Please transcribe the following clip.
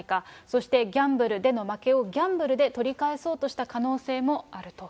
そしてギャンブルでの負けをギャンブルで取り返そうとした可能性もあると。